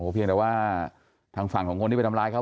เพียงแต่ว่าทางฝั่งของคนที่ไปทำร้ายเขา